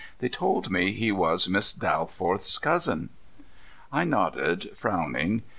They told me he was Miss Dalforth's cousin." I nodded, frowning.